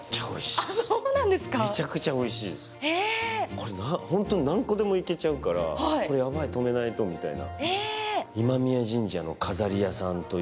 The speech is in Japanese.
これ、ホントに何個でもいけちゃうから、ヤバイ、止めないとみたいな。